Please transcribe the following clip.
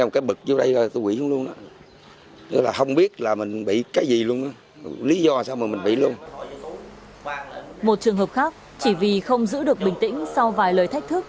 một trường hợp khác chỉ vì không giữ được bình tĩnh sau vài lời thách thức